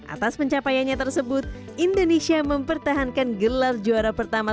atas pencapaiannya tersebut indonesia mempertahankan gelar juara pertama